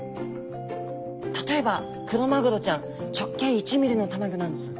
例えばクロマグロちゃん直径１ミリの卵なんです。